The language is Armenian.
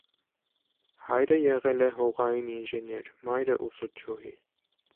Հայրը եղել է հողային ինժեներ, մայրը՝ ուսուցչուհի։